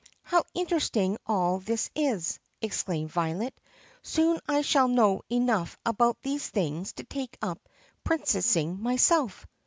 "How interesting all this is!" exclaimed Violet. "Soon I shall know enough about these things to take up princessing myself."